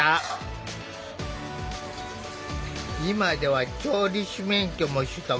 今では調理師免許も取得。